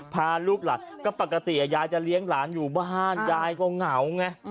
พาลูกหลานก็ปกติยายจะเลี้ยงหลานอยู่บ้านยายก็เหงาไง